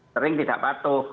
sering tidak patuh